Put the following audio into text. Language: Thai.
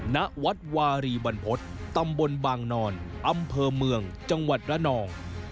ณวัดวารีบรรพฤษตำบลบางนอนอำเภอเมืองจังหวัดระนอง